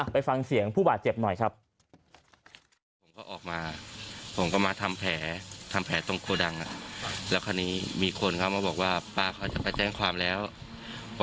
ไปฟังเสียงผู้บาดเจ็บหน่อยครับ